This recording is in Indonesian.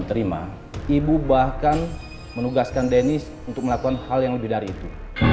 terima ibu bahkan menugaskan dennis untuk melakukan hal yang lebih dari itu